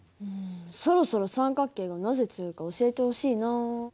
そろそろ三角形がなぜ強いか教えてほしいな。